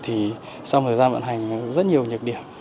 thì sau thời gian vận hành rất nhiều nhược điểm